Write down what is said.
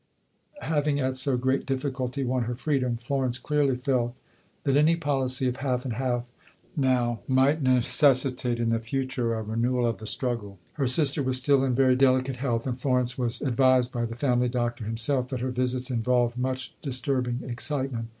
Having at so great difficulty won her freedom, Florence clearly felt that any policy of half and half now might necessitate in the future a renewal of the struggle. Her sister was still in very delicate health, and Florence was advised, by the family doctor himself, that her visits involved much disturbing excitement.